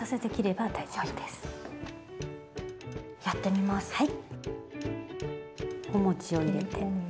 やってみます。